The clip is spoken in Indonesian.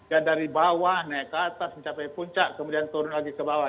ya dari bawah naik ke atas mencapai puncak kemudian turun lagi ke bawah